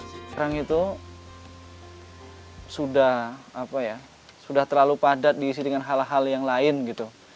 sekarang itu sudah terlalu padat diisi dengan hal hal yang lain gitu